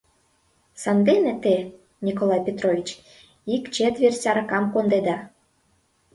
— Сандене те, Николай Петрович, ик четверть аракам кондеда.